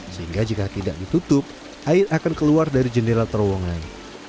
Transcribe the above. sehingga jika tidak ditutup air akan keluar dari jendela terowongan